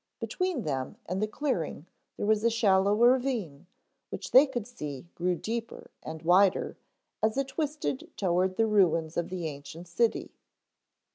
Between them and the clearing there was a shallow ravine which they could see grew deeper and wider as it twisted toward the ruins of the ancient city.